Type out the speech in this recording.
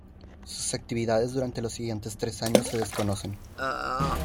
Sus actividades durante los siguientes tres años se desconocen.